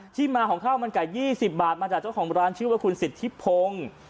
ที่มาของข้าวมันไก่๒๐บาทมาจากเจ้าของร้านชื่อว่าคุณสิทธิพงศ์